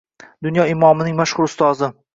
Dunyo imomining mashhur ustozi